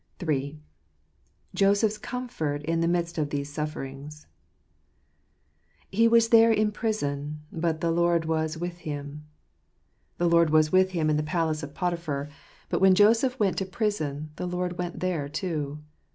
III. Joseph's Comfort in the Midst of these Suf ferings. — 41 He was there in the prison ; but the Lord was with him." The Lord was with him in the palace of "<Bo& faras toitb Ijint." 57 Potiphar ; but when Joseph went to prison, the Lord went there too.